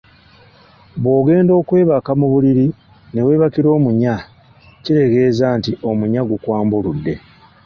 Bw’ogenda okwebaka mu buliri ne weebakira omunya, kitegeeza nti omunya gukwambuludde.